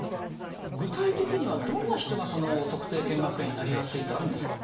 具体的にはどんな人が足底腱膜炎になりやすいってあるんですか？